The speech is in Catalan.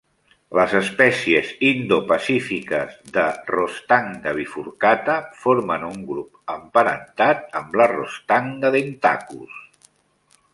Les espècies indo-pacífiques de "Rostanga bifurcata" formen un grup emparentat amb la "Rostanga dentacus".